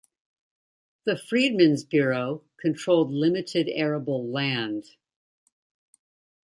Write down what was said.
The Freedmen's Bureau controlled limited arable land.